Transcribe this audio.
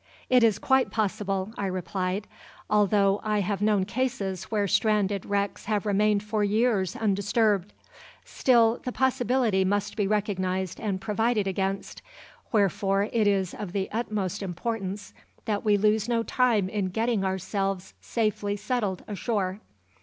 "It is quite possible," I replied, "although I have known cases where stranded wrecks have remained for years undisturbed. Still the possibility must be recognised and provided against, wherefore it is of the utmost importance that we lose no time in getting ourselves safely settled ashore."